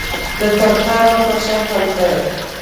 د ترکانو په شکل دي.